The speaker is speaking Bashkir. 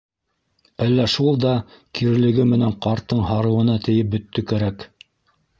Әллә шул да кирелеге менән ҡарттың һарыуына тейеп бөттө кәрәк...